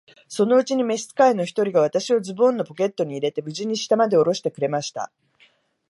そのうちに召使の一人が、私をズボンのポケットに入れて、無事に下までおろしてくれました。